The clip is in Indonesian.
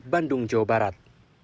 bandung jawa barat